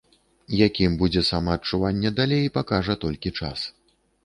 Якім будзе самаадчуванне далей, пакажа толькі час.